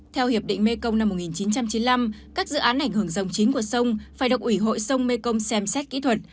theo hiệp định mekong năm một nghìn chín trăm chín mươi năm các dự án ảnh hưởng dòng chính của sông phải được ủy hội sông mekong xem xét kỹ thuật